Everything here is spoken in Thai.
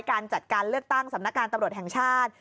การจัดการเลือกตั้งสำนักการตำรวจแห่งชาติ